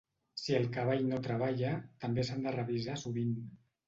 Si el cavall no treballa, també s'han de revisar sovint.